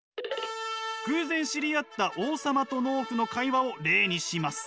偶然知り合った王様と農夫の会話を例にします！